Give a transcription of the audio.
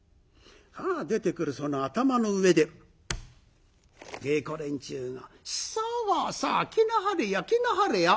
さあ出てくるその頭の上で芸子連中が「さあさあ着なはれや着なはれや。